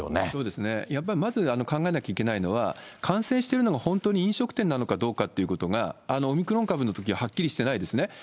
そうですね、やっぱりまず考えなきゃいけないのは、感染してるのが本当に飲食店なのかどうかということが、オミクロン株のときははっきりしてないですね。